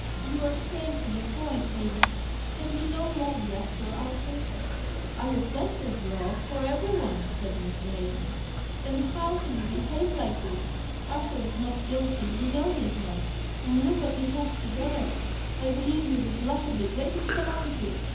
"You are straying from the point. Hamish, have you no love left for Arthur?" "I have plenty of love for every one," said Mr. Hamish. "Then how can you behave like this? Arthur is not guilty; you know he is not. And look what he has to bear! I believe you would laugh at the greatest calamity!